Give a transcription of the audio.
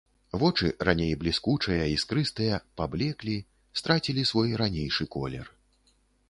Вочы, раней бліскучыя, іскрыстыя, паблеклі, страцілі свой ранейшы колер.